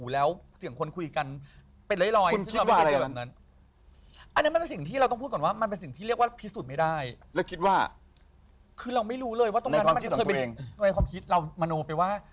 แล้วเขาก็เข็นมันทะสายของเขาไป